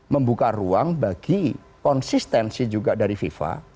membuka ruang bagi konsistensi juga dari fifa